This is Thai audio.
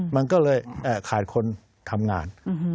มันก็เลยขาดคนทำงาน